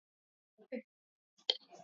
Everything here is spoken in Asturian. Pasé ellí con ellos tres díes más.